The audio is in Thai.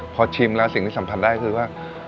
พอชิมแล้วสิ่งที่สัมผัสได้คือว่า